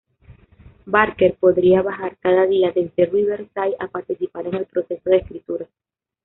Barker podría bajar cada día desde Riverside a participar en el proceso de escritura.